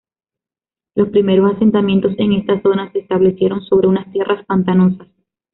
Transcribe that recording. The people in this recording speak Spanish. Los primeros asentamientos en esta zona se establecieron sobre unas tierras pantanosas.